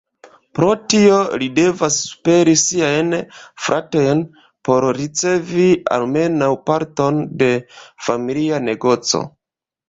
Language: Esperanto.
Pro tio li devas superi siajn fratojn por ricevi almenaŭ parton de familia negoco.